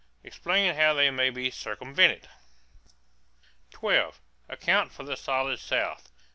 Explain how they may be circumvented. 12. Account for the Solid South.